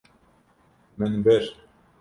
Min bir.